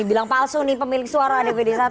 bilang palsu nih pemilik suara dpd satu